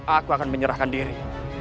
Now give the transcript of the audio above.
aku akan menyerahkan diri